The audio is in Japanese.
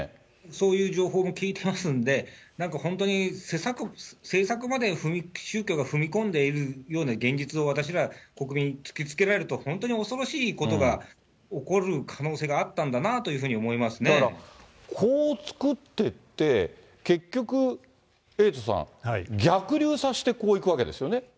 そういう情報も聞いてますんで、なんか本当に政策まで宗教が踏み込んいるような現実は私ら国民に突きつけられると、本当に恐ろしいことが起こる可能性があったんだなというふうに思だから、こう作っていって、結局、エイトさん、逆流させて、こういくわけですよね。